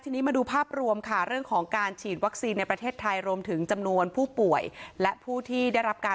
ทุกผู้ชมค่ะทีนี้มาดูภาพรวมค่ะ